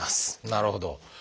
なるほど。